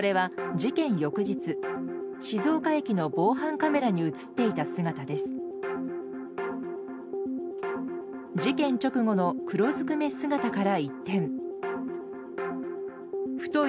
事件直後の黒ずくめ姿から一転太い